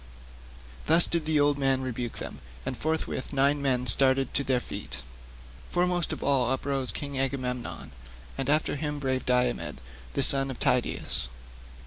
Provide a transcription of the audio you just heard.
Thus did the old man rebuke them, and forthwith nine men started to their feet. Foremost of all uprose King Agamemnon, and after him brave Diomed the son of Tydeus.